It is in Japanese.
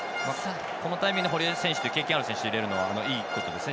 このタイミングで堀江選手という経験のある選手を入れることはいいことですね